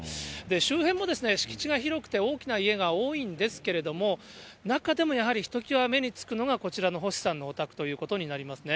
周辺も敷地が広くて、大きな家が多いんですけれども、中でもやはり、ひときわ目につくのが、こちらの星さんのお宅ということになりますね。